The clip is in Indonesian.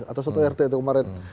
atau satu rt itu kemarin